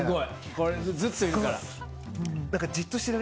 これ、ずっといるから。